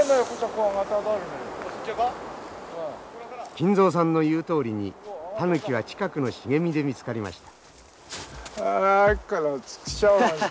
金蔵さんの言うとおりにタヌキは近くの茂みで見つかりました。